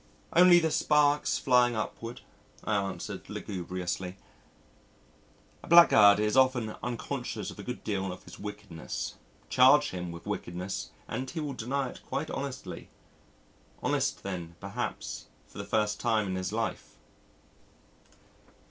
"Only the sparks flying upward," I answered lugubriously. A blackguard is often unconscious of a good deal of his wickedness. Charge him with wickedness and he will deny it quite honestly honest then, perhaps, for the first time in his life.